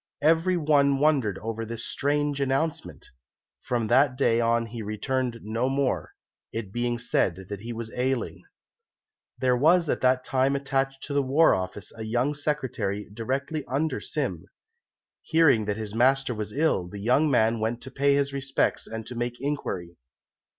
Every one wondered over this strange announcement. From that day on he returned no more, it being said that he was ailing. There was at that time attached to the War Office a young secretary directly under Sim. Hearing that his master was ill, the young man went to pay his respects and to make inquiry.